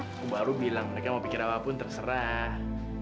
aku baru bilang mereka mau pikir apa pun terserah